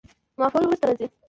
مفعول وروسته راځي.